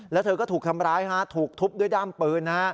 แล้วเธอก็ถูกทำร้ายฮะถูกทุบด้วยด้ามปืนนะฮะ